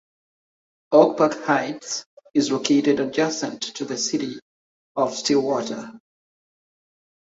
Oak Park Heights is located adjacent to the city of Stillwater.